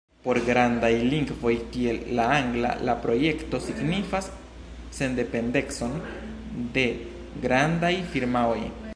Por grandaj lingvoj kiel la angla la projekto signifas sendependecon de grandaj firmaoj.